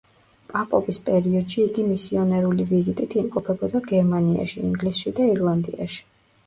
პაპობის პერიოდში იგი მისიონერული ვიზიტით იმყოფებოდა გერმანიაში, ინგლისში და ირლანდიაში.